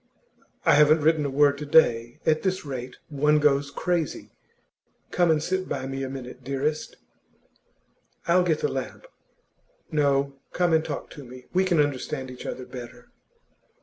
'I haven't written a word to day. At this rate, one goes crazy. Come and sit by me a minute, dearest.' 'I'll get the lamp.' 'No; come and talk to me; we can understand each other better.